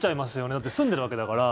だって住んでいるわけだから。